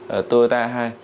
ở tô a hai